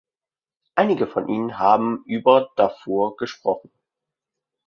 Einige von Ihnen haben über Darfur gesprochen.